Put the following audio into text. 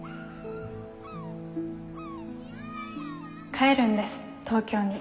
帰るんです東京に。